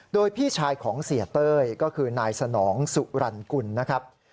โดยพี่ชายของเสียเต้ยก็คือนายสนองสุรรณกุลนะครับ